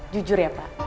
jujur ya pak